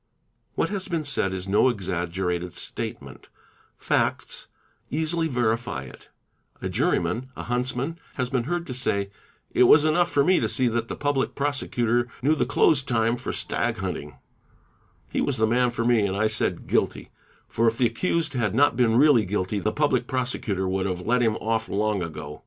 a What has been said is no exaggerated statement; facts easily verify meee, oem 6 Mar fire sae Co ee ee , A juryman, a huntsman, has been heard to say, "It was enough for e to see that the Public Prosecutor knew the close time for stag inting ; he was the man for me, and I said 'guilty'; for if the accused had + 44 THE INVESTIGATING OFFICER not been really guilty, the Public Prosecutor would have let him off long ago."